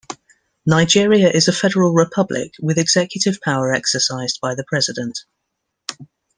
Nigeria is a federal republic, with executive power exercised by the president.